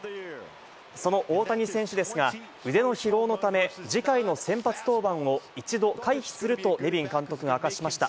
その大谷選手ですが、腕の疲労のため次回の先発登板を一度回避するとネビン監督が明かしました。